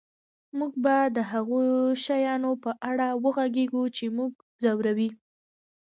موږ به د هغو شیانو په اړه وغږیږو چې موږ ځوروي